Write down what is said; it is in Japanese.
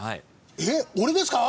えっ俺ですか！？